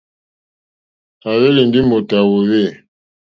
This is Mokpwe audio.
À hwélì ndí mòtà wòòwê.